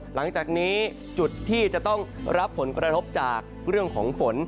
หลังจากนี้จุดที่จะต้องรับผลกระทบจากเรื่องของฝน